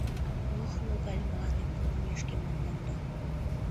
Ох, логале мыланем, колымешкем ом мондо!..